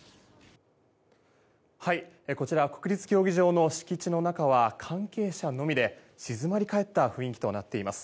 こちら、国立競技場の敷地の中は関係者のみで静まり返った雰囲気となっています。